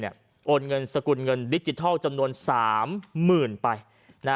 โอนเงินสกุลเงินดิจิทัลจำนวน๓๐๐๐ไป